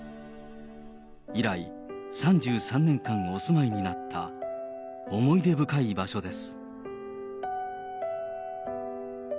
以来、３３年間、お住まいになった思い出深い場所です。